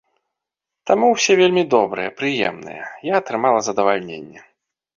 Таму ўсе вельмі добрыя, прыемныя, я атрымала задавальненне.